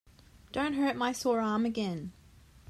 Don't hurt my sore arm again.